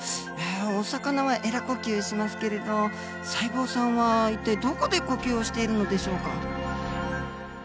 お魚はエラ呼吸しますけれど細胞さんは一体どこで呼吸をしているのでしょうか。